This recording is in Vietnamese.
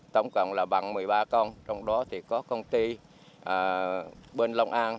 tổng cộng là bằng một mươi ba con trong đó thì có công ty bên long an